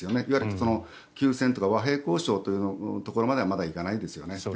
いわゆる休戦とか和平交渉というところまではまだ行かないですよね。